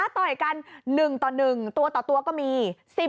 ๑ต่อ๑ตัวต่อตัวก็มี